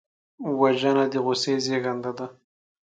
وژنه د غصې زېږنده ده